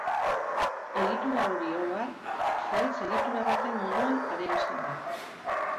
Egitura hori, oro har, zuhaitz egitura baten moduan adierazten da.